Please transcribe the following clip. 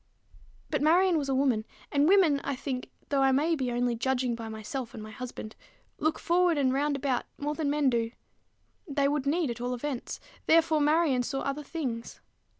But Marion was a woman; and women, I think, though I may be only judging by myself and my husband, look forward and round about, more than men do: they would need at all events; therefore Marion saw other things.